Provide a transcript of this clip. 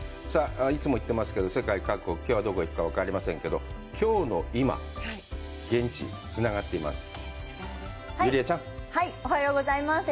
いつも言ってますけど、世界各国、きょうはどこ行くか分かりませんけど、きょうの今、現地、つながっています。